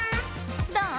どう？